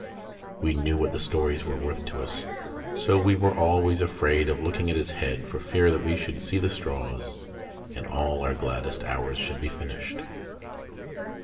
We knew what the stories were worth to us, so we were always afraid of looking at his head for fear that we should see the straws and all our gladdest hours should be finished.